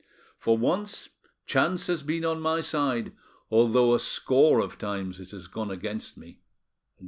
For once chance has been on my side although a score of times it has gone against me."